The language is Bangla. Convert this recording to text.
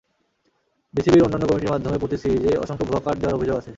বিসিবির অন্যান্য কমিটির মাধ্যমেও প্রতি সিরিজে অসংখ্য ভুয়া কার্ড দেওয়ার অভিযোগ আছে।